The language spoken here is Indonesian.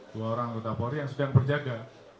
dua orang anggota polri yang sedang berjaga